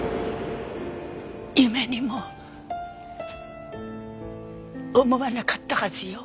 夢にも思わなかったはずよ。